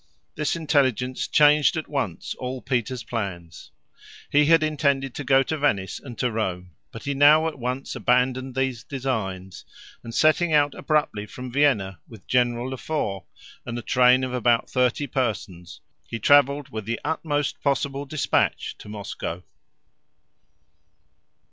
This intelligence changed at once all Peter's plans. He had intended to go to Venice and to Rome, but he now at once abandoned these designs, and setting out abruptly from Vienna, with General Le Fort, and a train of about thirty persons, he traveled with the utmost possible dispatch to Moscow.